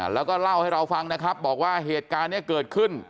แล้วก็เล่าให้เราฟังนะครับบอกว่าเหตุการณ์นี้เกิดขึ้น